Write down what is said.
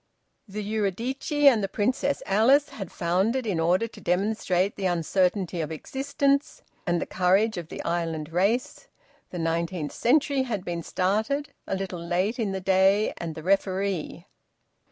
The "Eurydice" and the "Princess Alice" had foundered in order to demonstrate the uncertainty of existence and the courage of the island race. The "Nineteenth Century" had been started, a little late in the day, and the "Referee."